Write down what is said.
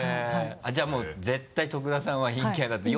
じゃあもう絶対徳田さんは陰キャだと。